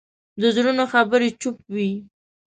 د زړونو خبرې چوپ وي